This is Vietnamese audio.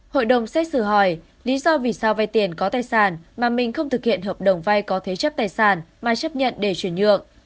hội đồng xét xử hỏi lý do vì sao vay tiền có tài sản mà mình không thực hiện hợp đồng vay có thế chấp tài sản mà chấp nhận để chuyển nhượng